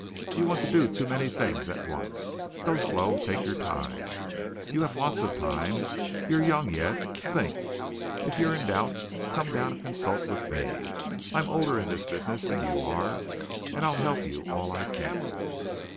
You want to do too many things at once. Go slow. Take your time. You have lots of time. You're young yet. Think! If you're in doubt, come down and consult with me. I'm older in this business than you are, and I'll help you all I can."